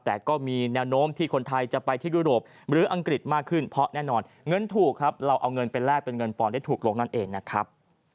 แต่ก็มีแนวโน้มที่คนไทยจะไปที่ยุโรปหรืออังกฤษมากขึ้นเพราะแน่นอนเงินถูกครับเราเอาเงินไปแลกเป็นเงินปอนได้ถูกลงนั่นเองนะครับ